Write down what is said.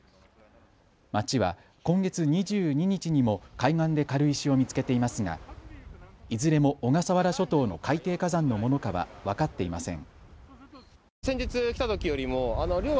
町は今月２２日にも海岸で軽石を見つけていますがいずれも小笠原諸島の海底火山のものかは分かっていません。